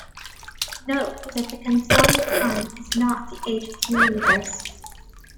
Note that the conformal time is not the age of the universe.